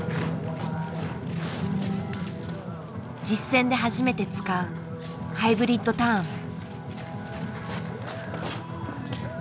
実戦で初めて使う「ハイブリッドターン」。